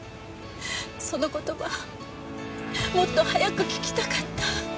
その言葉もっと早く聞きたかった。